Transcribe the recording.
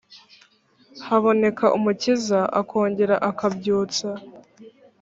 haboneka umukiza akongera akabyutsa